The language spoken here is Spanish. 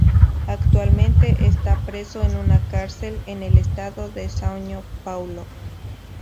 Actualmente, está preso en una cárcel en el estado de São Paulo.